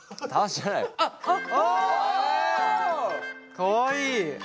かわいい。